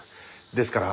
ですから。